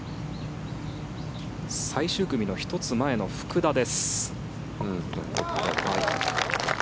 最終組の１つ前の福田です。